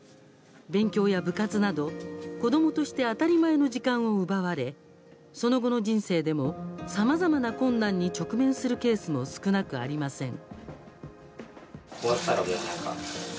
勉強や部活など子どもとして当たり前の時間を奪われその後の人生でもさまざまな困難に直面するケースも少なくありません。